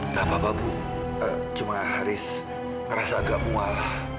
nggak apa apa bu cuma haris ngerasa agak mual